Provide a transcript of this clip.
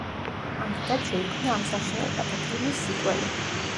ამრიგად შეიქმნა ამ საშინელებათა ფილმის სიკველი.